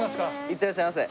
いってらっしゃいませ。